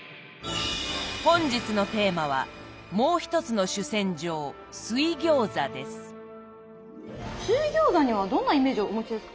本日のテーマは水餃子にはどんなイメージをお持ちですか？